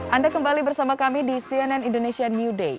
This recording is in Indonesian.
anda kembali bersama kami di cnn indonesia new day